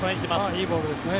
いいボールですね